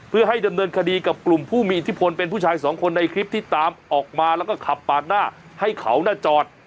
เพื่อให้ดำเนินคดีกับกลุ่มผู้มีอิทธิพลเป็นผู้ชายสองคนในคลิปที่ตามออกมาแล้วก็ขับปาดหน้าให้เขาน่ะจอด